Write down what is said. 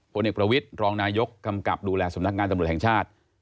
พอเนียกรววิทรองนายกกรรมกับดูแลสมนักงานตำรวจแห่งชาติ